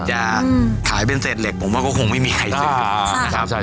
จะขายเป็นเศษเหล็กผมว่าก็คงไม่มีใครซื้อนะครับ